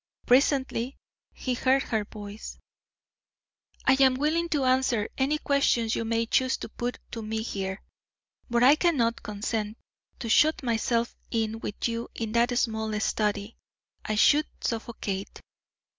Presently he heard her voice: "I am willing to answer any questions you may choose to put to me here; but I cannot consent to shut myself in with you in that small study; I should suffocate."